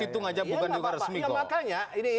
itu kan manual tadi